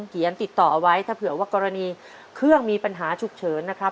เขียนติดต่อเอาไว้ถ้าเผื่อว่ากรณีเครื่องมีปัญหาฉุกเฉินนะครับ